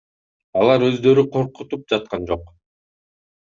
Алар өздөрү коркутуп жаткан жок.